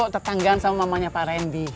tetanggaan sama mamanya pak randy